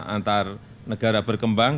antar negara berkembang